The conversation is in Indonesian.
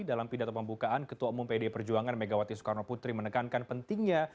dalam pidato pembukaan ketua umum pd perjuangan megawati soekarno putri menekankan pentingnya